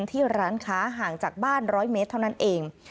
ที่ร้านค้าห่างจากบ้าน๑๐๐เมตรเท่านั้นเอง